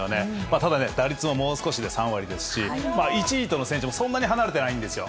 ただね、打率ももう少しで３割ですし、１位との選手ともそんなに離れてないんですよ。